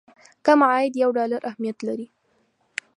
کم عاید یو ډالر اهميت لري.